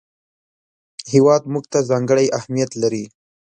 هېواد موږ ته ځانګړی اهمیت لري